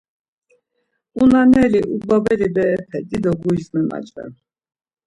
Unaneli, ubabeli berepe dido guris memaç̌ven.